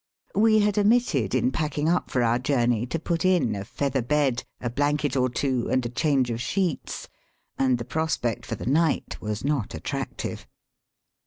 We had omitted in packing up for our journey to put in a feather bed, a blanket or two, and a change of sheets, and the prospect for the night was not attractive.